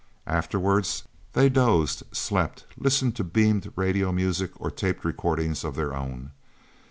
Afterwards they dozed, slept, listened to beamed radio music or taped recordings of their own.